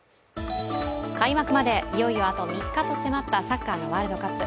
開幕でいよいよあと３日と迫ったサッカーのワールドカップ。